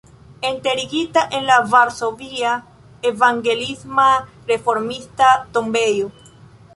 Enterigita en la varsovia evangeliisma-reformista tombejo.